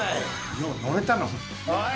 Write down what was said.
よう乗れたのおい